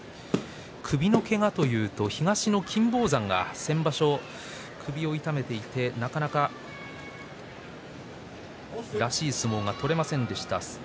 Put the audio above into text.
首のけがというと東の金峰山が先場所、首を痛めていてなかなか、らしい相撲が取れませんでした。